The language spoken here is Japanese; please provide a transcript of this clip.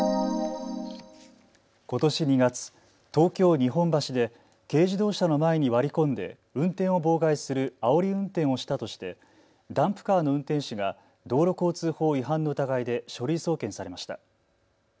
ことし２月、東京日本橋で軽自動車の前に割り込んで運転を妨害するあおり運転をしたとしてダンプカーの運転手が道路交通法違反の疑いで書類送検されました。